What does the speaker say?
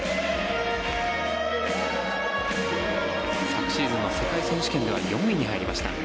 昨シーズンの世界選手権では４位に入りました。